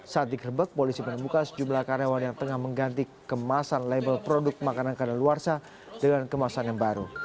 saat dikrebek polisi menemukan sejumlah karyawan yang tengah mengganti kemasan label produk makanan kadaluarsa dengan kemasan yang baru